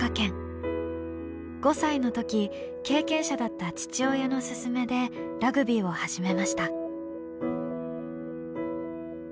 ５歳の時経験者だった父親の勧めでラグビーを始めました。